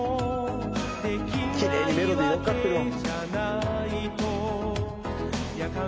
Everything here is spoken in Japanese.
「キレイにメロディー乗っかってるわ」